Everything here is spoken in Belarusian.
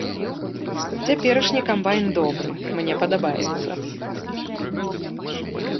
Цяперашні камбайн добры, мне падабаецца.